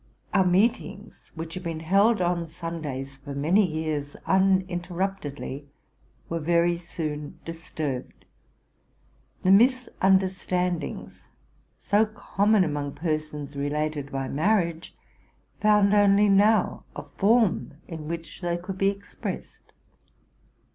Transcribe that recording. Our meetings, which had been held on Sundays for many years uninterrupt edly, were very soon disturbed. The misunderstandings so common among persons related by marriage, found only now a form in which they could be expressed.